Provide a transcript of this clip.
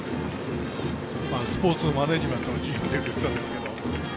スポーツマネジメントの授業をやっていたんですけど。